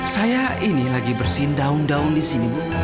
saya ini lagi bersihin daun daun disini bu